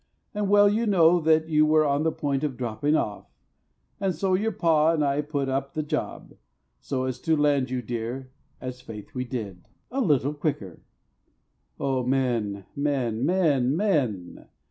And well you know That you were on the point of dropping off, And so your pa and I put up the job So as to land you, dear—as faith we did— A little quicker. Oh, men, men, men, men!